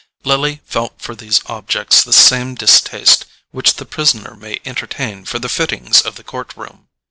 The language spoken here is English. Lily felt for these objects the same distaste which the prisoner may entertain for the fittings of the court room.